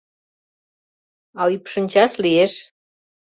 А ӱпшынчаш лиеш.